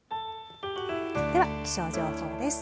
では、気象情報です。